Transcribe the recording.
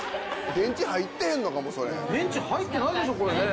電池入ってないでしょこれね。